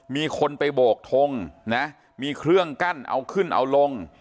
มีคนไปโบกทงนะมีเครื่องกั้นเอาขึ้นเอาลง